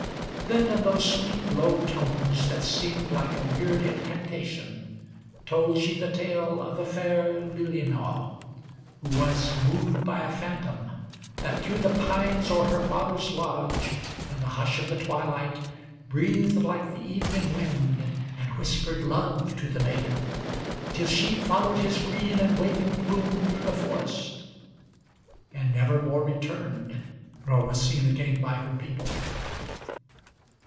Then, in those sweet, low tones, that seemed like a weird incantation, Told she the tale of the fair Lilinau, who was wooed by a phantom, That, through the pines o'er her father's lodge, in the hush of the twilight, Breathed like the evening wind, and whispered love to the maiden, Till she followed his green and waving plume through the forest, And never more returned, nor was seen again by her people.